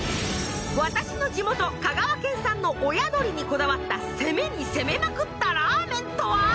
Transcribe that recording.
私の地元香川県産の親鶏にこだわった攻めに攻めまくったラーメンとは！？